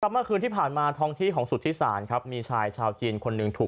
เมื่อคืนที่ผ่านมาท้องที่ของสุธิศาลครับมีชายชาวจีนคนหนึ่งถูก